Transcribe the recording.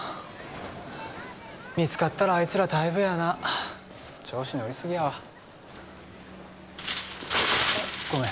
見つかったらあいつら退部やな調子乗りすぎやわあっごめん